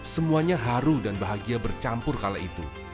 semuanya haru dan bahagia bercampur kala itu